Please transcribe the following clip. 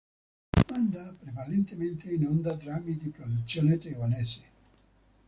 Manda prevalentemente in onda drammi di produzione taiwanese.